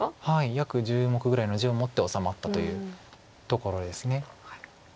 約１０目ぐらいの地を持って治まったというところです。